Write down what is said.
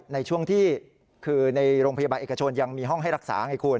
ในช่วงที่คือในโรงพยาบาลเอกชนยังมีห้องให้รักษาไงคุณ